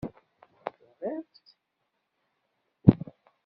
Tebɣiḍ-tt?